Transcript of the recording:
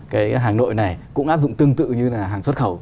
cái hàng nội này cũng áp dụng tương tự như là hàng xuất khẩu